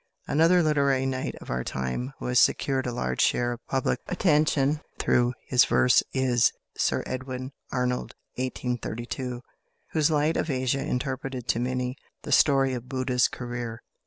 Another literary knight of our time who has secured a large share of public attention through his verse is =Sir Edwin Arnold (1832 )=, whose "Light of Asia" interpreted to many the story of Buddha's career.